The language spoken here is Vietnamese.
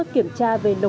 điều đáng nói